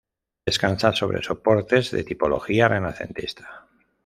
Descansa sobre soportes de tipología renacentista.